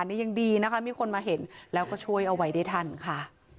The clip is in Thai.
นี่ยังดีนะคะมีคนมาเห็นแล้วก็ช่วยเอาไว้ได้ทันค่ะ